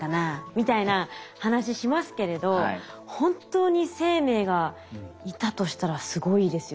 みたいな話しますけれど本当に生命がいたとしたらすごいですよね。